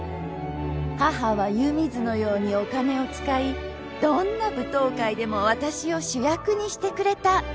母は湯水のようにお金を使いどんな舞踏会でも私を主役にしてくれた